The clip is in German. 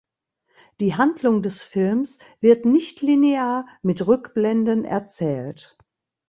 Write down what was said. Die Handlung des Films wird nichtlinear mit Rückblenden erzählt.